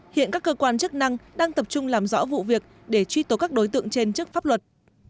hiện các cơ quan chức năng đang tập trung làm rõ vụ việc để truy tố các đối tượng trên trước pháp luật